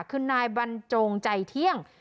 คือนายบรรจงใจเที่ยง